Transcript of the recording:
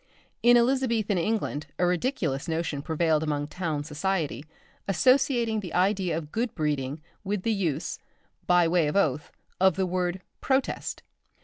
In Elizabethan England a ridiculous notion prevailed among town society, associating the idea of good breeding with the use, by way of oath, of the word "protest."